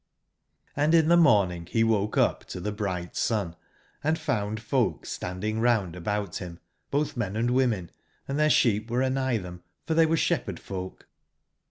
)VD in the morning be woke up to the bright sun, and found folk standing round about bim, both men and women, and their sheep were anigh them, for they were shepherd folk.